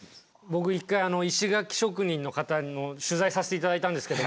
僕１回石垣職人の方の取材させて頂いたんですけども。